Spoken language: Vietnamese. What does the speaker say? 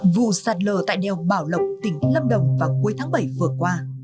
vụ sạt lờ tại đèo bảo lộc tỉnh lâm đồng vào cuối tháng bảy vừa qua